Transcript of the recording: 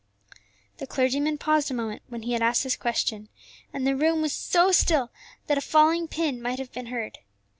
The clergyman paused a moment when he had asked this question, and the room was so still that a falling pin might have been heard.